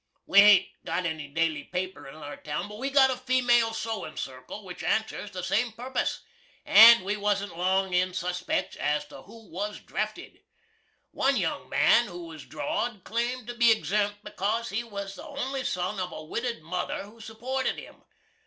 We hain't got any daily paper in our town, but we've got a female sewin' circle, which ansers the same purpuss, and we wasn't long in suspents as to who was drafted. One young man who was drawd claimed to be exemp because he was the only son of a widow'd mother who supported him.